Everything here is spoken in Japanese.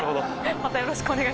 またよろしくお願いします。